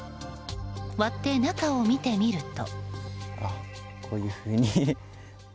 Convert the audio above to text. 割って中を見てみると。